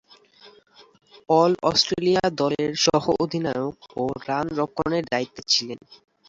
All-Australia দলের সহঅধিনায়ক ও রান-রক্ষণের দায়িত্বে ছিলেন।